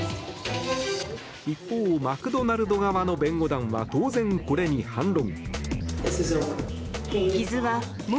一方、マクドナルド側の弁護団は当然これに反論。